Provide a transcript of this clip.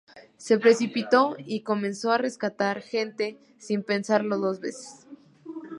Se precipitó y comenzó a rescatar gente sin pensarlo dos veces.